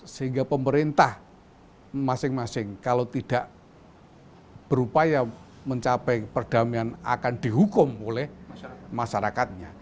sehingga pemerintah masing masing kalau tidak berupaya mencapai perdamaian akan dihukum oleh masyarakatnya